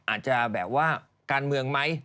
อาจจะแบบว่าการเมืองไหม